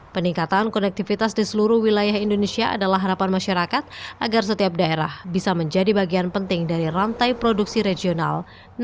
peningkatan konektivitas di seluruh wilayah indonesia adalah harapan masyarakat agar setiap daerah bisa menjadi bagian penting dari rantai produksi regional